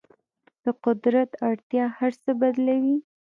د قدرت اړتیا هر څه بدلوي.